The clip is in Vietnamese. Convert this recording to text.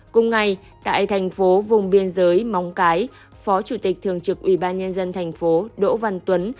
cùng ngày tại thành phố vùng biên giới móng cái phó chủ tịch thường trực ubnd thành phố đỗ văn tuấn